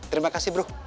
terima kasih bro